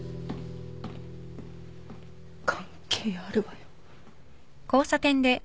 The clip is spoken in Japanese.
関係あるわよ。